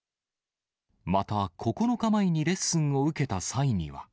また、９日前にレッスンを受けた際には。